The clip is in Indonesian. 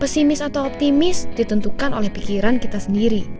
pesimis atau optimis ditentukan oleh pikiran kita sendiri